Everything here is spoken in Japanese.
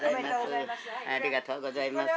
ありがとうございます。